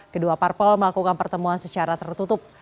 kedua parpol melakukan pertemuan secara tertutup